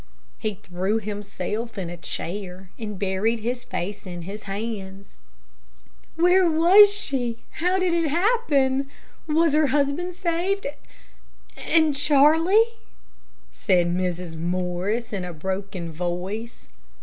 He threw himself in a chair and buried his face in his hands. "Where was she? How did it happen? Was her husband saved, and Charlie?" said Mrs. Morris, in a broken voice.